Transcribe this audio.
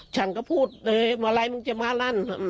ฉันก็พูดเลยมาลัยมึงจะมาลั่น